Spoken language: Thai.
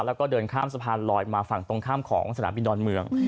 แล้วก็เดินข้ามสะพานลอยมาฝั่งตรงข้ามของสนามบินดอนเมือง